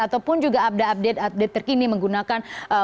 ataupun juga upda update terkini menggunakan